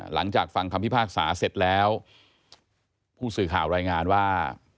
หลังจากฟังคำพิพากษาเสร็จแล้วผู้สื่อข่าวรายงานว่า